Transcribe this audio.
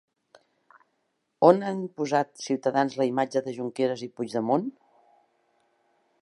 On han posat Ciutadans la imatge de Junqueras i Puigdemont?